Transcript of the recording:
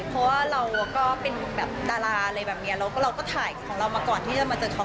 เพราะว่าเราก็เป็นแบบดาราอะไรแบบนี้แล้วก็เราก็ถ่ายของเรามาก่อนที่จะมาเจอเขา